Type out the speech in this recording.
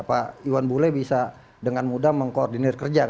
pak iwan bule bisa dengan mudah mengkoordinir kerja